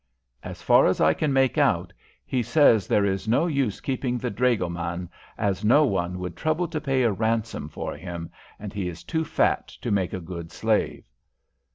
"As far as I can make out, he says there is no use keeping the dragoman, as no one would trouble to pay a ransom for him, and he is too fat to make a good slave."